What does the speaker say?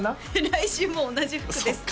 来週も同じ服です